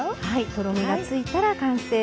とろみがついたら完成です。